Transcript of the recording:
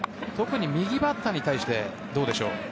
特に右バッターに対してどうでしょう？